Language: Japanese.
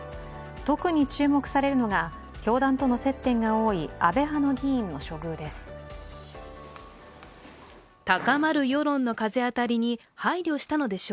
特に注目されるのが教団との接点が多い安倍派の議員の処遇です。